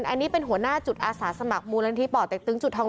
อันนี้เป็นหัวหน้าจุดอาสาสมัครมูลนิธิป่อเต็กตึงจุดทอง